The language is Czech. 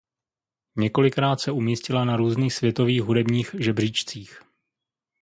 Několikrát se umístila na různých světových hudebních žebříčcích.